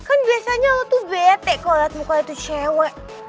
kan biasanya lo tuh bete kalo liat muka lo itu cewe